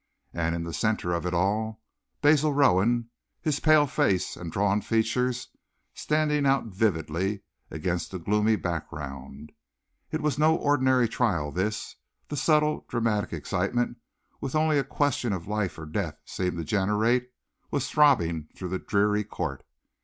And in the centre of it all Basil Rowan, his pale face and drawn features standing out vividly against the gloomy background. It was no ordinary trial, this. The subtle, dramatic excitement, which only a question of life or death seems to generate, was throbbing through the dreary court.